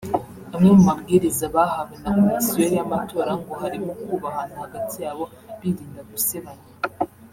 Amwe mu mabwiriza bahawe na Komisiyo y’Amatora ngo harimo kubahana hagati y’abo birinda gusebanya